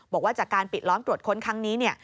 บอกว่าจากการปิดล้อมตรวจค้นครั้งนี้